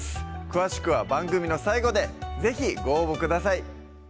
詳しくは番組の最後で是非ご応募ください